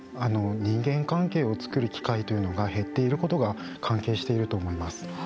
人間関係をつくる機会というのが減っていることが関係していると思います。